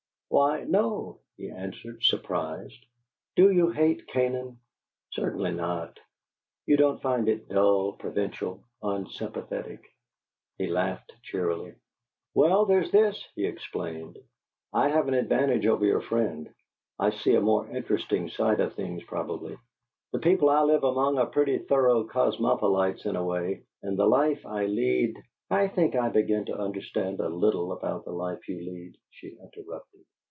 "Why, no!" he answered, surprised. "Do you hate Canaan?" "Certainly not." "You don't find it dull, provincial, unsympathetic?" He laughed cheerily. "Well, there's this," he explained: "I have an advantage over your friend. I see a more interesting side of things probably. The people I live among are pretty thorough cosmopolites in a way, and the life I lead " "I think I begin to understand a little about the life you lead," she interrupted.